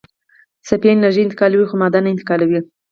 څپې انرژي انتقالوي خو ماده نه انتقالوي.